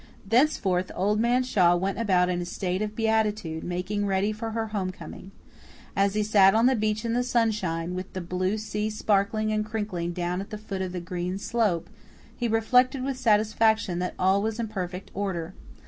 Thenceforth Old Man Shaw went about in a state of beatitude, making ready for her homecoming. As he sat on the bench in the sunshine, with the blue sea sparkling and crinkling down at the foot of the green slope, he reflected with satisfaction that all was in perfect order.